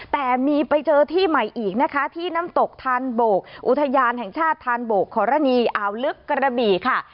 แต่มีไปเจอที่ใหม่อีกนะคะที่น้ำตกทานโบกอุทยานแห่งชาติธานโบกขอรณีอ่าวลึกกระบี่ค่ะ